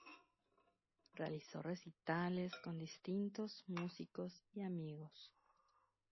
Realizó recitales con distintos músicos amigos.